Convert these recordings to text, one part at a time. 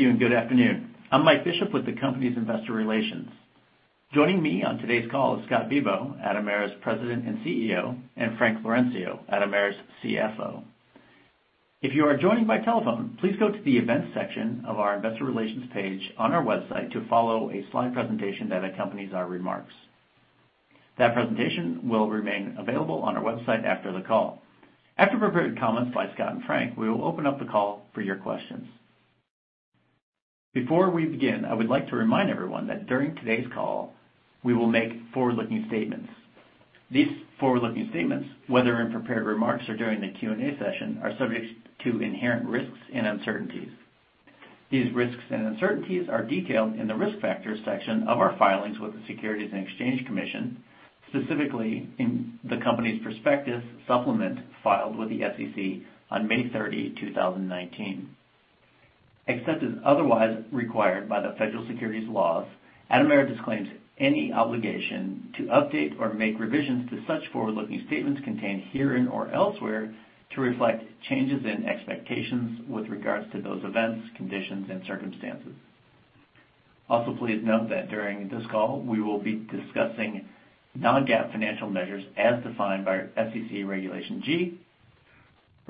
Thank you, and good afternoon. I'm Mike Bishop with the company's investor relations. Joining me on today's call is Scott Bibaud, Atomera's President and CEO, and Frank Laurencio, Atomera's CFO. If you are joining by telephone, please go to the events section of our investor relations page on our website to follow a slide presentation that accompanies our remarks. That presentation will remain available on our website after the call. After prepared comments by Scott and Frank, we will open up the call for your questions. Before we begin, I would like to remind everyone that during today's call, we will make forward-looking statements. These forward-looking statements, whether in prepared remarks or during the Q&A session, are subject to inherent risks and uncertainties. These risks and uncertainties are detailed in the risk factors section of our filings with the Securities and Exchange Commission, specifically in the company's perspectives supplement filed with the SEC on May 30, 2019. Except as otherwise required by the federal securities laws, Atomera disclaims any obligation to update or make revisions to such forward-looking statements contained herein or elsewhere to reflect changes in expectations with regards to those events, conditions, and circumstances. Also, please note that during this call, we will be discussing non-GAAP financial measures as defined by SEC Regulation G.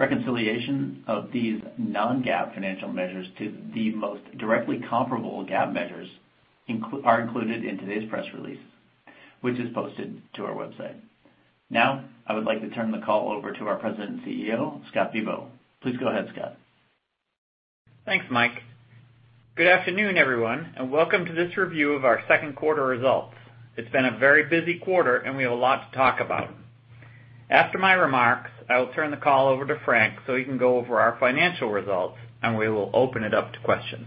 Reconciliation of these non-GAAP financial measures to the most directly comparable GAAP measures are included in today's press release, which is posted to our website. Now, I would like to turn the call over to our President and CEO, Scott Bibaud. Please go ahead, Scott. Thanks, Mike. Good afternoon, everyone, and welcome to this review of our second quarter results. It's been a very busy quarter, and we have a lot to talk about. After my remarks, I will turn the call over to Frank, so he can go over our financial results, and we will open it up to questions.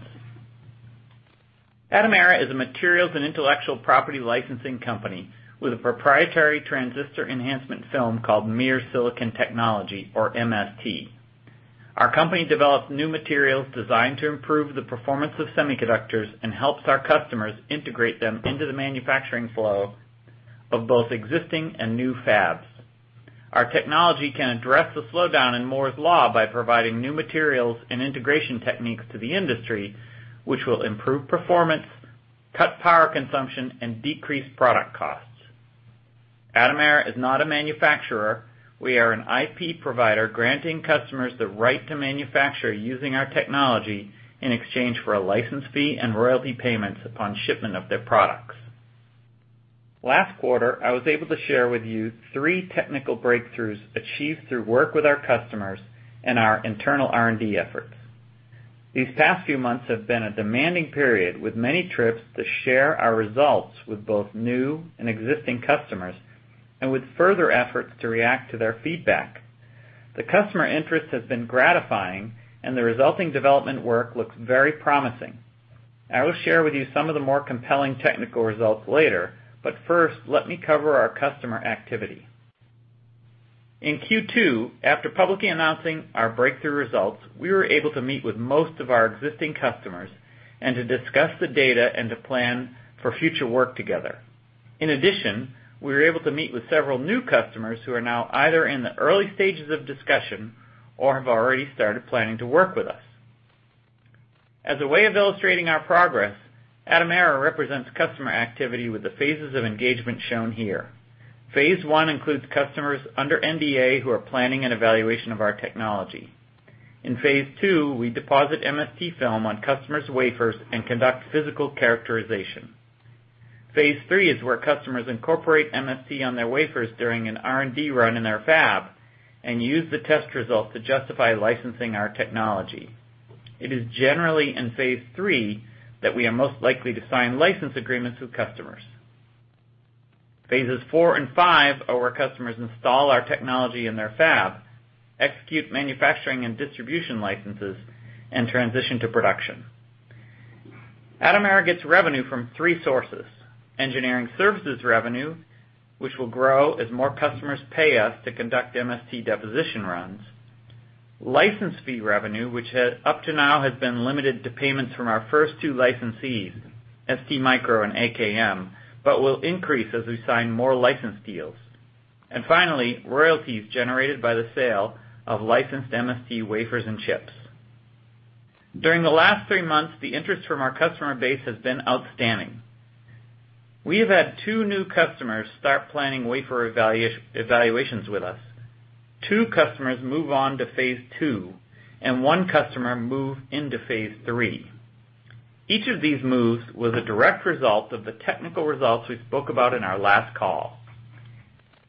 Atomera is a materials and intellectual property licensing company with a proprietary transistor enhancement film called Mears Silicon Technology, or MST. Our company develops new materials designed to improve the performance of semiconductors and helps our customers integrate them into the manufacturing flow of both existing and new fabs. Our technology can address the slowdown in Moore's Law by providing new materials and integration techniques to the industry, which will improve performance, cut power consumption, and decrease product costs. Atomera is not a manufacturer. We are an IP provider granting customers the right to manufacture using our technology in exchange for a license fee and royalty payments upon shipment of their products. Last quarter, I was able to share with you three technical breakthroughs achieved through work with our customers and our internal R&D efforts. These past few months have been a demanding period with many trips to share our results with both new and existing customers, and with further efforts to react to their feedback. The customer interest has been gratifying, and the resulting development work looks very promising. I will share with you some of the more compelling technical results later, but first, let me cover our customer activity. In Q2, after publicly announcing our breakthrough results, we were able to meet with most of our existing customers and to discuss the data and to plan for future work together. In addition, we were able to meet with several new customers who are now either in the early stages of discussion or have already started planning to work with us. As a way of illustrating our progress, Atomera represents customer activity with the phases of engagement shown here. Phase 1 includes customers under NDA who are planning an evaluation of our technology. In Phase 2, we deposit MST film on customers' wafers and conduct physical characterization. Phase 3 is where customers incorporate MST on their wafers during an R&D run in their fab and use the test results to justify licensing our technology. It is generally in Phase 3 that we are most likely to sign license agreements with customers. Phases 4 and 5 are where customers install our technology in their fab, execute manufacturing and distribution licenses, and transition to production. Atomera gets revenue from three sources. Engineering services revenue, which will grow as more customers pay us to conduct MST deposition runs. License fee revenue, which up to now has been limited to payments from our first two licensees, STMicro and AKM, but will increase as we sign more license deals. Finally, royalties generated by the sale of licensed MST wafers and chips. During the last three months, the interest from our customer base has been outstanding. We have had two new customers start planning wafer evaluations with us, two customers move on to phase II, and one customer move into phase III. Each of these moves was a direct result of the technical results we spoke about in our last call.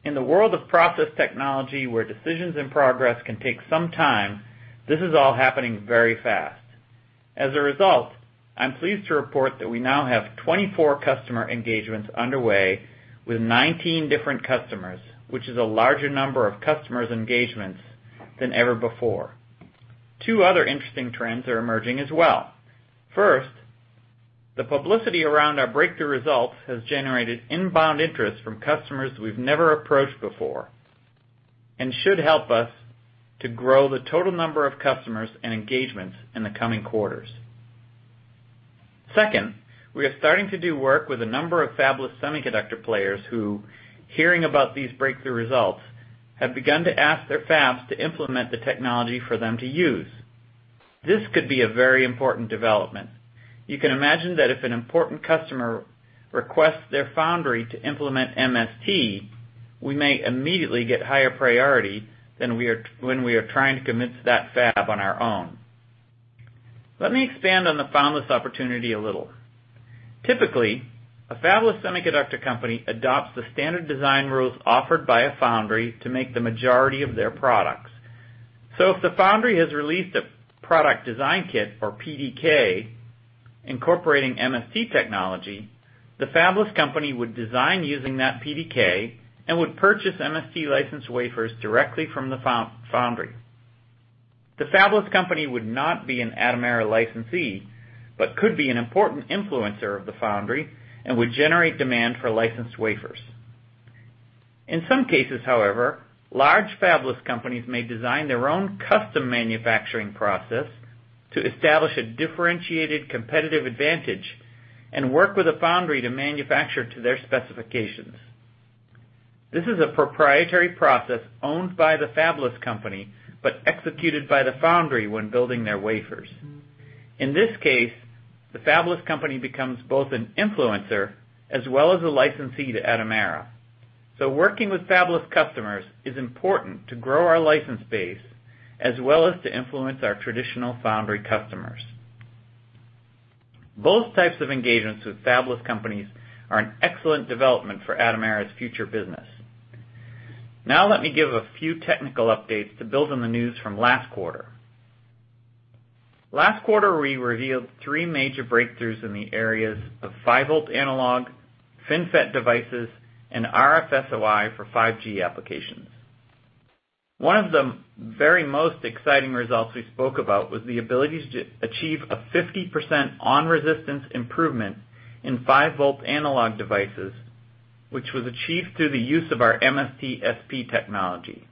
In the world of process technology, where decisions and progress can take some time, this is all happening very fast. As a result, I'm pleased to report that we now have 24 customer engagements underway with 19 different customers, which is a larger number of customers engagements than ever before. Two other interesting trends are emerging as well. First, the publicity around our breakthrough results has generated inbound interest from customers we've never approached before and should help us to grow the total number of customers and engagements in the coming quarters. We are starting to do work with a number of fabless semiconductor players who, hearing about these breakthrough results, have begun to ask their fabs to implement the technology for them to use. This could be a very important development. You can imagine that if an important customer requests their foundry to implement MST, we may immediately get higher priority than when we are trying to convince that fab on our own. Let me expand on the fabless opportunity a little. Typically, a fabless semiconductor company adopts the standard design rules offered by a foundry to make the majority of their products. If the foundry has released a product design kit, or PDK, incorporating MST technology, the fabless company would design using that PDK and would purchase MST-licensed wafers directly from the foundry. The fabless company would not be an Atomera licensee but could be an important influencer of the foundry and would generate demand for licensed wafers. In some cases, however, large fabless companies may design their own custom manufacturing process to establish a differentiated competitive advantage and work with a foundry to manufacture to their specifications. This is a proprietary process owned by the fabless company but executed by the foundry when building their wafers. In this case, the fabless company becomes both an influencer as well as a licensee to Atomera. Working with fabless customers is important to grow our license base as well as to influence our traditional foundry customers. Both types of engagements with fabless companies are an excellent development for Atomera's future business. Now let me give a few technical updates to build on the news from last quarter. Last quarter, we revealed three major breakthroughs in the areas of 5-volt analog, FinFET devices, and RFSOI for 5G applications. One of the very most exciting results we spoke about was the ability to achieve a 50% on-resistance improvement in 5-volt analog devices, which was achieved through the use of our MST SP technology.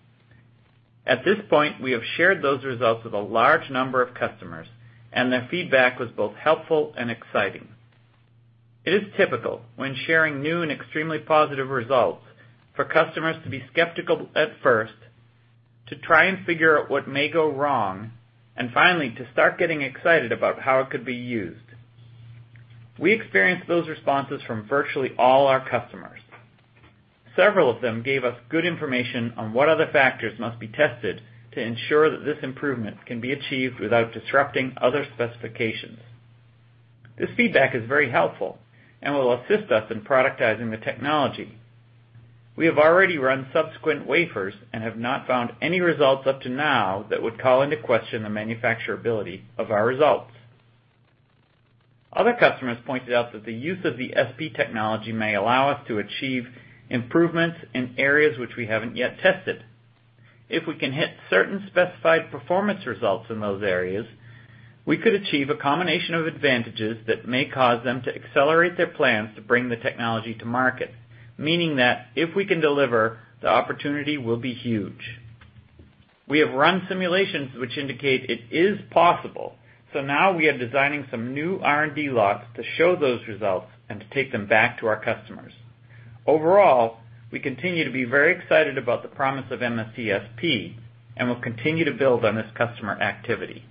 At this point, we have shared those results with a large number of customers, and their feedback was both helpful and exciting. It is typical when sharing new and extremely positive results for customers to be skeptical at first, to try and figure out what may go wrong, and finally, to start getting excited about how it could be used. We experienced those responses from virtually all our customers. Several of them gave us good information on what other factors must be tested to ensure that this improvement can be achieved without disrupting other specifications. This feedback is very helpful and will assist us in productizing the technology. We have already run subsequent wafers and have not found any results up to now that would call into question the manufacturability of our results. Other customers pointed out that the use of the SP technology may allow us to achieve improvements in areas which we haven't yet tested. If we can hit certain specified performance results in those areas, we could achieve a combination of advantages that may cause them to accelerate their plans to bring the technology to market, meaning that if we can deliver, the opportunity will be huge. We have run simulations which indicate it is possible. Now we are designing some new R&D lots to show those results and to take them back to our customers. Overall, we continue to be very excited about the promise of MST SP and will continue to build on this customer activity.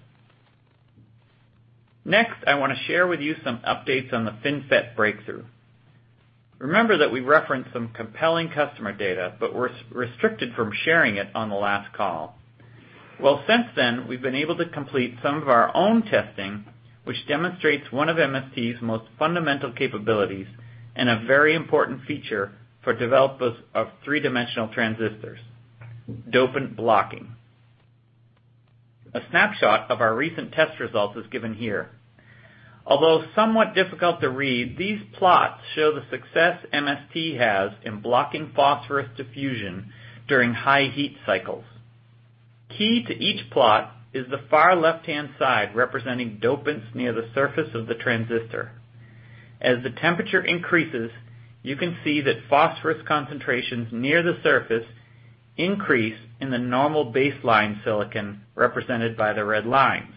Next, I want to share with you some updates on the FinFET breakthrough. Remember that we referenced some compelling customer data, but were restricted from sharing it on the last call. Since then, we've been able to complete some of our own testing, which demonstrates one of MST's most fundamental capabilities and a very important feature for developers of three-dimensional transistors, dopant blocking. A snapshot of our recent test results is given here. Although somewhat difficult to read, these plots show the success MST has in blocking phosphorus diffusion during high heat cycles. Key to each plot is the far left-hand side, representing dopants near the surface of the transistor. As the temperature increases, you can see that phosphorus concentrations near the surface increase in the normal baseline silicon, represented by the red lines.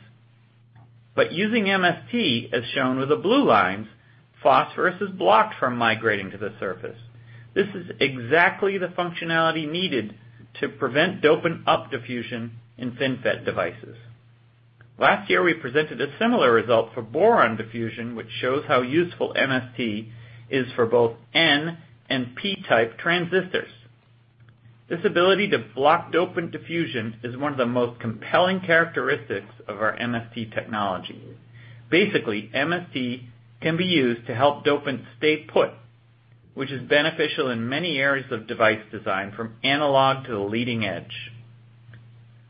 Using MST, as shown with the blue lines, phosphorus is blocked from migrating to the surface. This is exactly the functionality needed to prevent dopant up-diffusion in FinFET devices. Last year, we presented a similar result for boron diffusion, which shows how useful MST is for both N and P-type transistors. This ability to block dopant diffusion is one of the most compelling characteristics of our MST technology. Basically, MST can be used to help dopants stay put, which is beneficial in many areas of device design, from analog to the leading edge.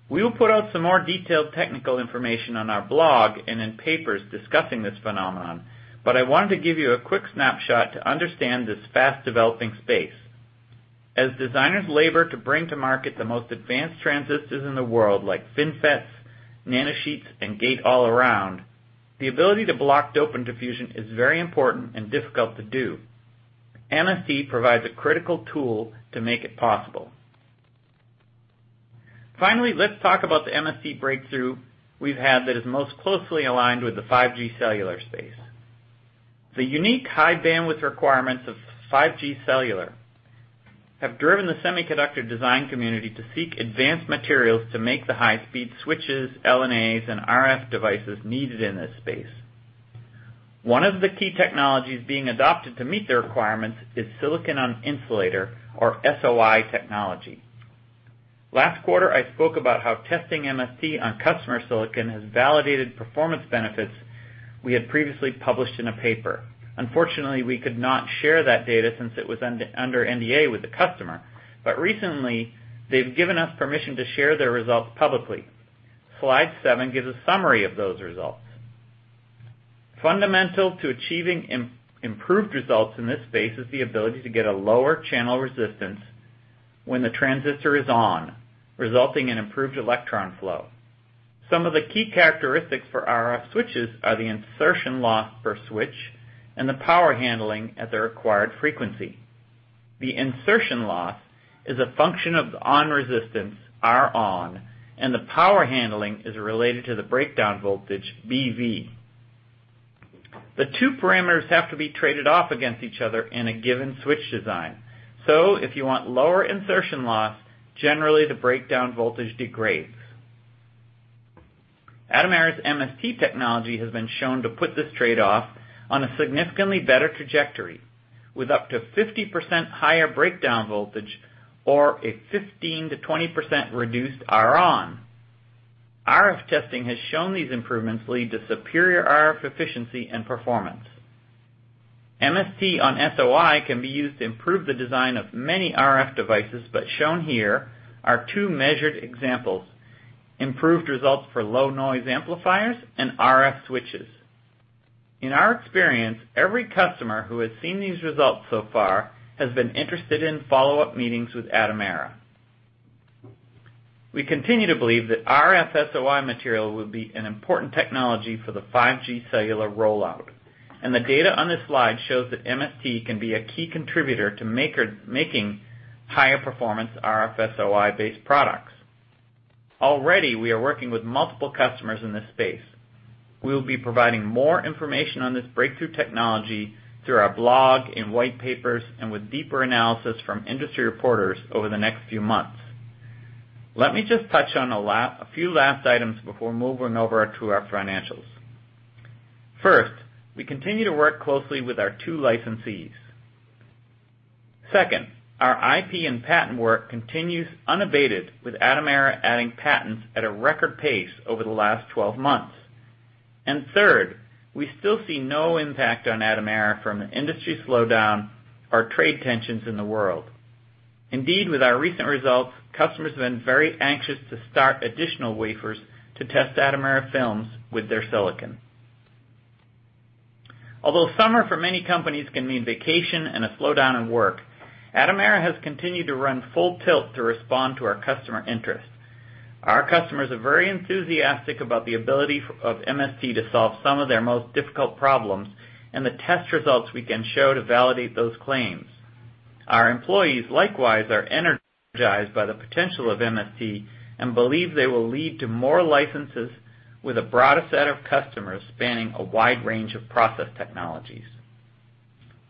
We will put out some more detailed technical information on our blog and in papers discussing this phenomenon, but I wanted to give you a quick snapshot to understand this fast-developing space. As designers labor to bring to market the most advanced transistors in the world, like FinFETs, nanosheets, and Gate-all-around, the ability to block dopant diffusion is very important and difficult to do. MST provides a critical tool to make it possible. Finally, let's talk about the MST breakthrough we've had that is most closely aligned with the 5G cellular space. The unique high bandwidth requirements of 5G cellular have driven the semiconductor design community to seek advanced materials to make the high speed switches, LNAs, and RF devices needed in this space. One of the key technologies being adopted to meet the requirements is silicon on insulator, or SOI technology. Last quarter, I spoke about how testing MST on customer silicon has validated performance benefits we had previously published in a paper. Unfortunately, we could not share that data since it was under NDA with the customer. Recently, they've given us permission to share their results publicly. Slide seven gives a summary of those results. Fundamental to achieving improved results in this space is the ability to get a lower channel resistance when the transistor is on, resulting in improved electron flow. Some of the key characteristics for RF switches are the insertion loss per switch and the power handling at the required frequency. The insertion loss is a function of on resistance, Ron, and the power handling is related to the breakdown voltage, BV. The two parameters have to be traded off against each other in a given switch design. If you want lower insertion loss, generally the breakdown voltage degrades. Atomera's MST technology has been shown to put this trade-off on a significantly better trajectory with up to 50% higher breakdown voltage or a 15%-20% reduced Ron. RF testing has shown these improvements lead to superior RF efficiency and performance. MST on SOI can be used to improve the design of many RF devices, but shown here are two measured examples. Improved results for Low-Noise Amplifiers and RF switches. In our experience, every customer who has seen these results so far has been interested in follow-up meetings with Atomera. We continue to believe that RF SOI material will be an important technology for the 5G cellular rollout, and the data on this slide shows that MST can be a key contributor to making higher performance RF SOI based products. Already, we are working with multiple customers in this space. We will be providing more information on this breakthrough technology through our blog, in white papers, and with deeper analysis from industry reporters over the next few months. Let me just touch on a few last items before moving over to our financials. First, we continue to work closely with our two licensees. Second, our IP and patent work continues unabated, with Atomera adding patents at a record pace over the last 12 months. Third, we still see no impact on Atomera from an industry slowdown or trade tensions in the world. Indeed, with our recent results, customers have been very anxious to start additional wafers to test Atomera films with their silicon. Although summer for many companies can mean vacation and a slowdown in work, Atomera has continued to run full tilt to respond to our customer interest. Our customers are very enthusiastic about the ability of MST to solve some of their most difficult problems and the test results we can show to validate those claims. Our employees, likewise, are energized by the potential of MST and believe they will lead to more licenses with a broader set of customers spanning a wide range of process technologies.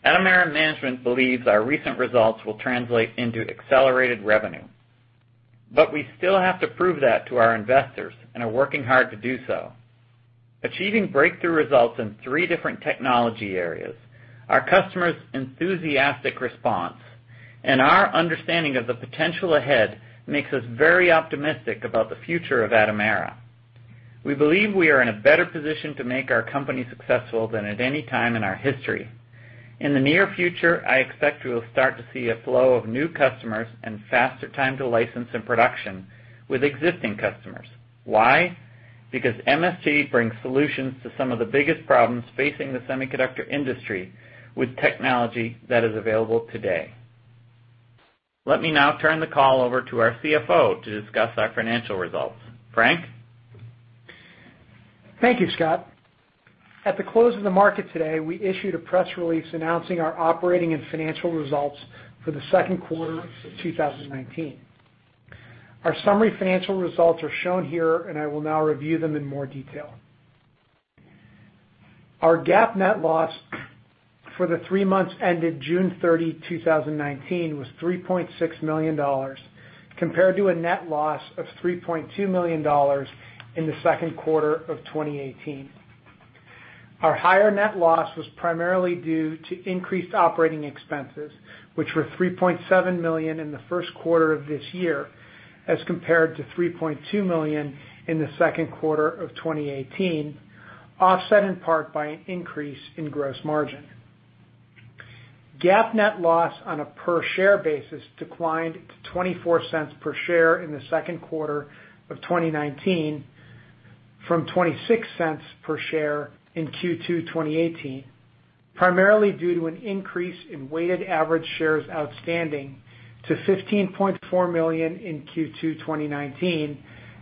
Atomera management believes our recent results will translate into accelerated revenue, but we still have to prove that to our investors and are working hard to do so. Achieving breakthrough results in three different technology areas, our customers' enthusiastic response, and our understanding of the potential ahead makes us very optimistic about the future of Atomera. We believe we are in a better position to make our company successful than at any time in our history. In the near future, I expect we will start to see a flow of new customers and faster time to license in production with existing customers. Why? MST brings solutions to some of the biggest problems facing the semiconductor industry with technology that is available today. Let me now turn the call over to our CFO to discuss our financial results. Frank? Thank you, Scott. At the close of the market today, we issued a press release announcing our operating and financial results for the second quarter of 2019. Our summary financial results are shown here, and I will now review them in more detail. Our GAAP net loss for the three months ended June 30, 2019, was $3.6 million, compared to a net loss of $3.2 million in the second quarter of 2018. Our higher net loss was primarily due to increased operating expenses, which were $3.7 million in the first quarter of this year as compared to $3.2 million in the second quarter of 2018, offset in part by an increase in gross margin. GAAP net loss on a per share basis declined to $0.24 per share in the second quarter of 2019 from $0.26 per share in Q2 2018, primarily due to an increase in weighted average shares outstanding to 15.4 million in Q2 2019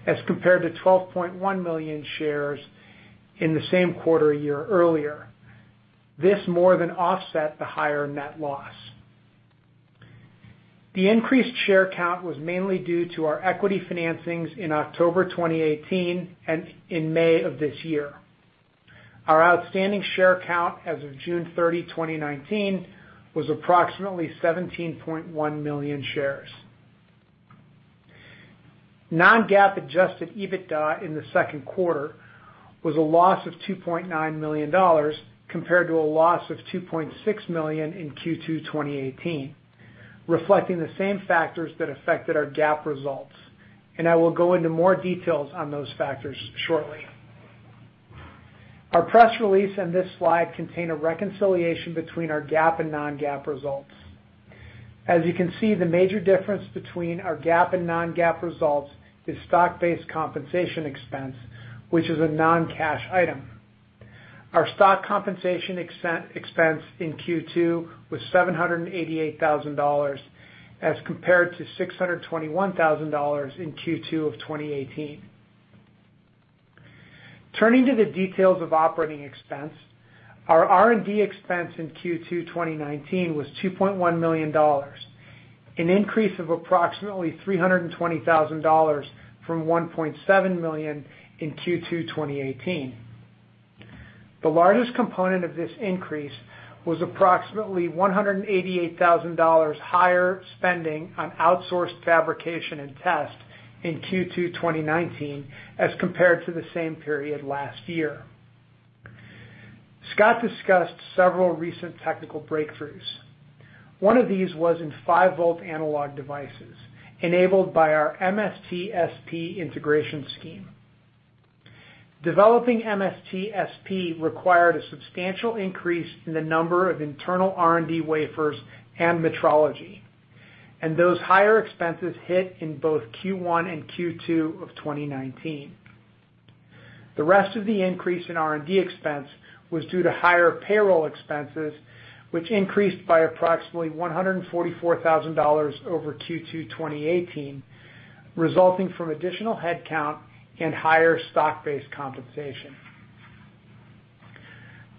as compared to 12.1 million shares in the same quarter a year earlier. This more than offset the higher net loss. The increased share count was mainly due to our equity financings in October 2018 and in May of this year. Our outstanding share count as of June 30, 2019, was approximately 17.1 million shares. Non-GAAP adjusted EBITDA in the second quarter was a loss of $2.9 million, compared to a loss of $2.6 million in Q2 2018, reflecting the same factors that affected our GAAP results. I will go into more details on those factors shortly. Our press release and this slide contain a reconciliation between our GAAP and non-GAAP results. As you can see, the major difference between our GAAP and non-GAAP results is stock-based compensation expense, which is a non-cash item. Our stock compensation expense in Q2 was $788,000 as compared to $621,000 in Q2 of 2018. Turning to the details of operating expense, our R&D expense in Q2 2019 was $2.1 million, an increase of approximately $320,000 from $1.7 million in Q2 2018. The largest component of this increase was approximately $188,000 higher spending on outsourced fabrication and test in Q2 2019 as compared to the same period last year. Scott discussed several recent technical breakthroughs. One of these was in 5-volt analog devices enabled by our MST SP integration scheme. Developing MST SP required a substantial increase in the number of internal R&D wafers and metrology, and those higher expenses hit in both Q1 and Q2 of 2019. The rest of the increase in R&D expense was due to higher payroll expenses, which increased by approximately $144,000 over Q2 2018, resulting from additional headcount and higher stock-based compensation.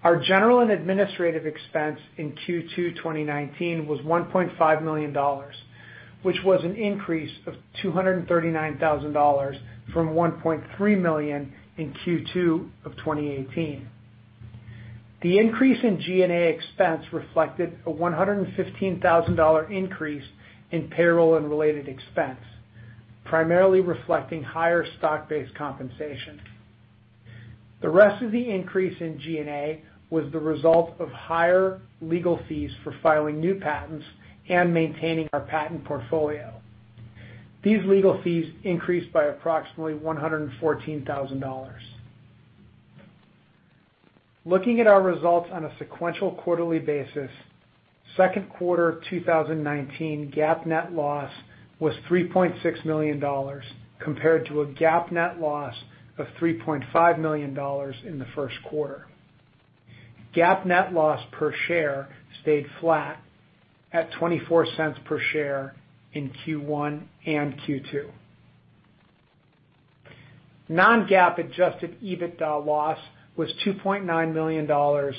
Our general and administrative expense in Q2 2019 was $1.5 million, which was an increase of $239,000 from $1.3 million in Q2 of 2018. The increase in G&A expense reflected a $115,000 increase in payroll and related expense, primarily reflecting higher stock-based compensation. The rest of the increase in G&A was the result of higher legal fees for filing new patents and maintaining our patent portfolio. These legal fees increased by approximately $114,000. Looking at our results on a sequential quarterly basis, second quarter 2019 GAAP net loss was $3.6 million, compared to a GAAP net loss of $3.5 million in the first quarter. GAAP net loss per share stayed flat at $0.24 per share in Q1 and Q2. Non-GAAP adjusted EBITDA loss was $2.9 million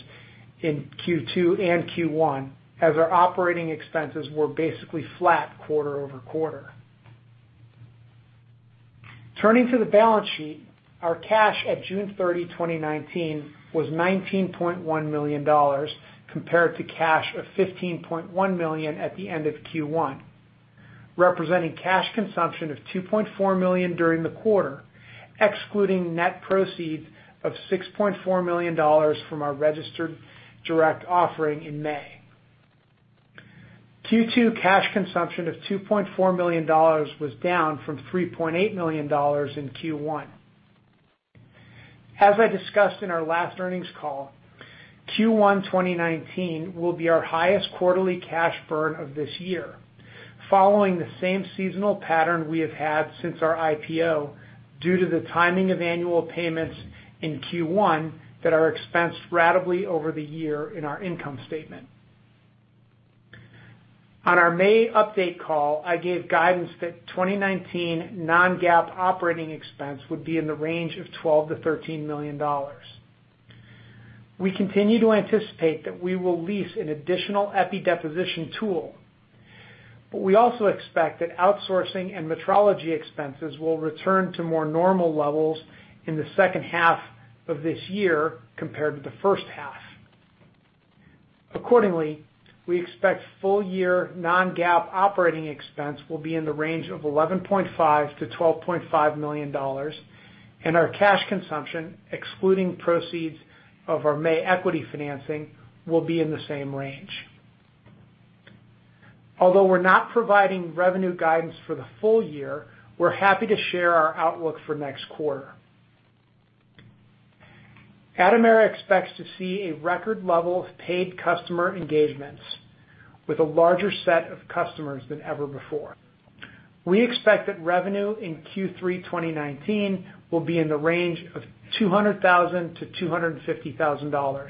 in Q2 and Q1, as our operating expenses were basically flat quarter-over-quarter. Turning to the balance sheet, our cash at June 30, 2019, was $19.1 million, compared to cash of $15.1 million at the end of Q1, representing cash consumption of $2.4 million during the quarter, excluding net proceeds of $6.4 million from our registered direct offering in May. Q2 cash consumption of $2.4 million was down from $3.8 million in Q1. As I discussed in our last earnings call, Q1 2019 will be our highest quarterly cash burn of this year, following the same seasonal pattern we have had since our IPO due to the timing of annual payments in Q1 that are expensed ratably over the year in our income statement. On our May update call, I gave guidance that 2019 non-GAAP operating expense would be in the range of $12 million-$13 million. We continue to anticipate that we will lease an additional epitaxial deposition tool, but we also expect that outsourcing and metrology expenses will return to more normal levels in the second half of this year compared to the first half. Accordingly, we expect full year non-GAAP operating expense will be in the range of $11.5 million-$12.5 million and our cash consumption, excluding proceeds of our May equity financing, will be in the same range. Although we're not providing revenue guidance for the full year, we're happy to share our outlook for next quarter. Atomera expects to see a record level of paid customer engagements with a larger set of customers than ever before. We expect that revenue in Q3 2019 will be in the range of $200,000-$250,000,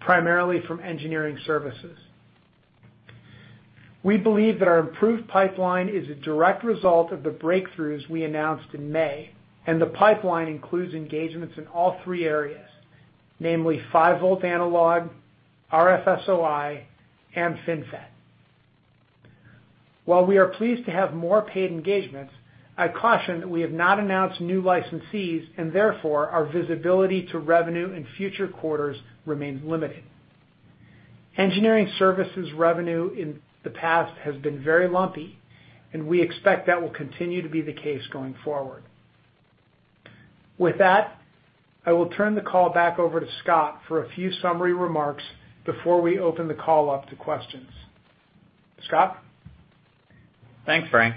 primarily from engineering services. We believe that our improved pipeline is a direct result of the breakthroughs we announced in May. The pipeline includes engagements in all three areas, namely 5-volt analog, RFSOI, and FinFET. While we are pleased to have more paid engagements, I caution that we have not announced new licensees and therefore our visibility to revenue in future quarters remains limited. Engineering services revenue in the past has been very lumpy. We expect that will continue to be the case going forward. With that, I will turn the call back over to Scott for a few summary remarks before we open the call up to questions. Scott? Thanks, Frank.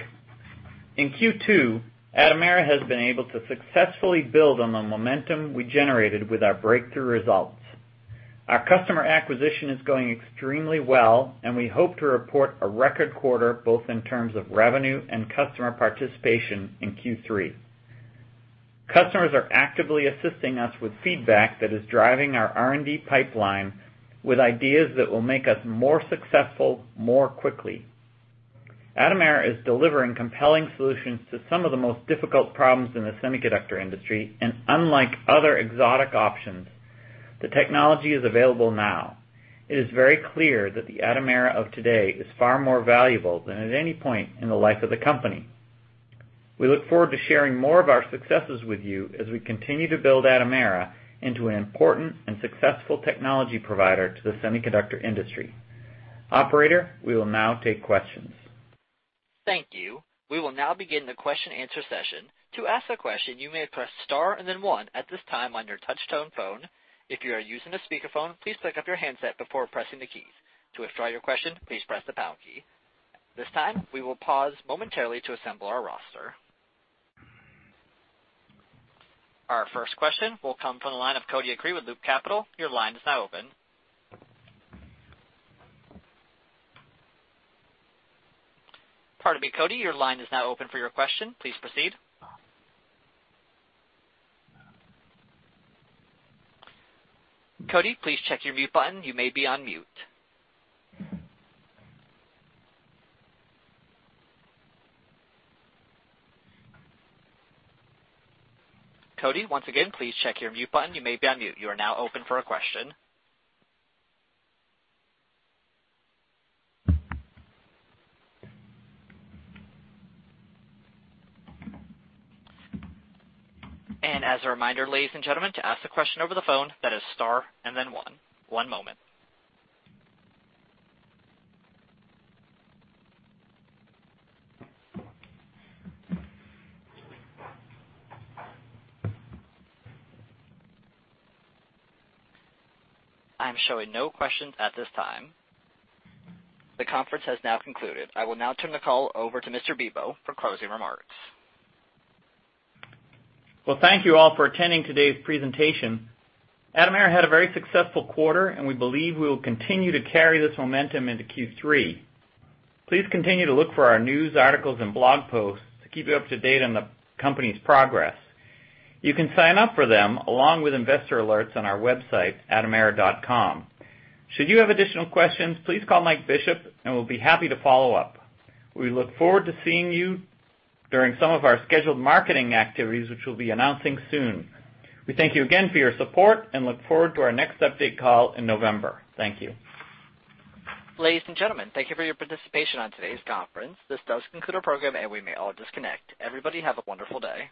In Q2, Atomera has been able to successfully build on the momentum we generated with our breakthrough results. Our customer acquisition is going extremely well, and we hope to report a record quarter, both in terms of revenue and customer participation in Q3. Customers are actively assisting us with feedback that is driving our R&D pipeline with ideas that will make us more successful, more quickly. Atomera is delivering compelling solutions to some of the most difficult problems in the semiconductor industry, and unlike other exotic options, the technology is available now. It is very clear that the Atomera of today is far more valuable than at any point in the life of the company. We look forward to sharing more of our successes with you as we continue to build Atomera into an important and successful technology provider to the semiconductor industry. Operator, we will now take questions. Thank you. We will now begin the question answer session. To ask a question, you may press star and then one at this time on your touch-tone phone. If you are using a speakerphone, please pick up your handset before pressing the keys. To withdraw your question, please press the pound key. This time, we will pause momentarily to assemble our roster. Our first question will come from the line of Cody Acree with Loop Capital. Your line is now open. Pardon me, Cody. Your line is now open for your question. Please proceed. Cody, please check your mute button. You may be on mute. Cody, once again, please check your mute button. You may be on mute. You are now open for a question. As a reminder, ladies and gentlemen, to ask a question over the phone, that is star and then one. One moment. I am showing no questions at this time. The conference has now concluded. I will now turn the call over to Mr. Bibaud for closing remarks. Well, thank you all for attending today's presentation. Atomera had a very successful quarter, and we believe we will continue to carry this momentum into Q3. Please continue to look for our news articles and blog posts to keep you up to date on the company's progress. You can sign up for them along with investor alerts on our website, atomera.com. Should you have additional questions, please call Mike Bishop, and we'll be happy to follow up. We look forward to seeing you during some of our scheduled marketing activities, which we'll be announcing soon. We thank you again for your support and look forward to our next update call in November. Thank you. Ladies and gentlemen, thank you for your participation on today's conference. This does conclude our program, and we may all disconnect. Everybody have a wonderful day.